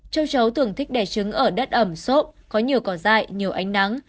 châu chấu thường thích đẻ trứng ở đất ẩm sộp có nhiều cỏ dại nhiều ánh nắng